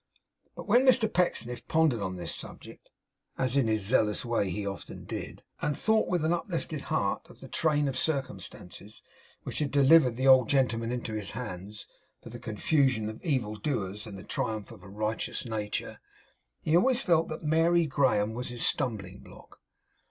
But when Mr Pecksniff pondered on this subject (as, in his zealous way, he often did), and thought with an uplifted heart of the train of circumstances which had delivered the old gentleman into his hands for the confusion of evil doers and the triumph of a righteous nature, he always felt that Mary Graham was his stumbling block.